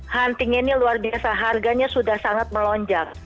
hunting ini luar biasa harganya sudah sangat melonjak